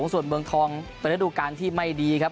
ส่วนเมืองทองเป็นระดับที่ไม่ดีนะครับ